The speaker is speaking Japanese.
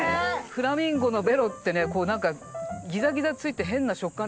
フラミンゴのベロってね何かギザギザついて変な食感らしいんですよ。